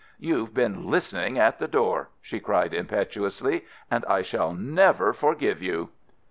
"You've been listening at the door!" she cried impetuously, "and I shall never forgive you."